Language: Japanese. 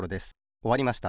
おわりました。